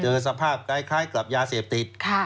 สภาพคล้ายกับยาเสพติด